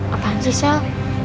apaan sih sel